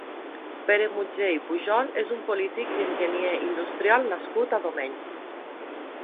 Pere Mutjé i Pujol és un polític i enginyer industrial nascut a Domeny.